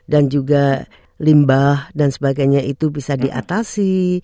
dan juga limbah dan sebagainya itu bisa diatasi